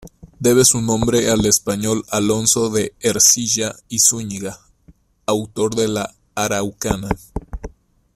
Debe su nombre al español Alonso de Ercilla y Zúñiga, autor de La Araucana.